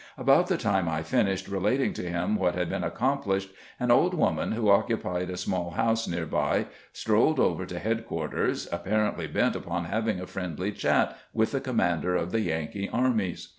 About the time I finished relating to him what had been accomplished, an old woman who occupied a small house near by stroUed over to headquarters, apparently bent upon having a friendly chat with the commander of the Yankee armies.